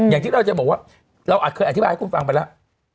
อย่างที่เราจะบอกว่าเราอาจเคยอธิบายให้คุณฟังไปแล้ว